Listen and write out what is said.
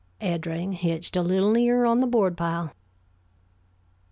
Eddring hitched a little nearer on the board pile.